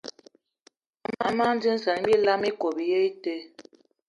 Ama dínzan bilam íkob í yé í te